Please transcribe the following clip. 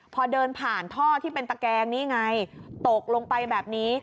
พอเดินผ่านท่อที่เป็นตะแกงนี่ไงตกลงไปแบบนี้